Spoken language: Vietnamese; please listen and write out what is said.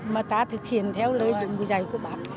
mà ta thực hiện theo lời đồng dạy của bạc